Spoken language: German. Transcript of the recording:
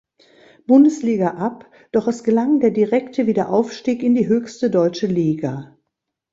Bundesliga ab, doch es gelang der direkte Wiederaufstieg in die höchste deutsche Liga.